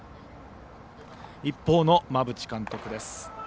一方の馬淵監督です。